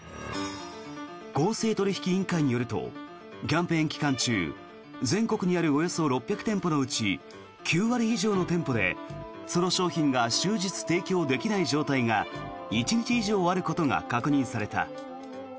公正取引委員会によるとキャンペーン期間中全国にあるおよそ６００店舗のうち９割以上の店舗でその商品が終日提供できない状態が１日以上あることが確認された。